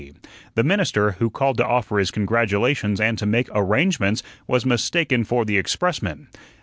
The minister, who called to offer his congratulations and to make arrangements, was mistaken for the expressman.